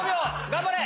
頑張れ！